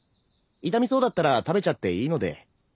傷みそうだったら食べちゃっていいので。